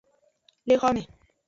Le xome.